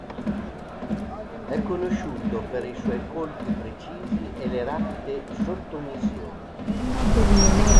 È conosciuto per i suoi colpi precisi e le rapide sottomissioni.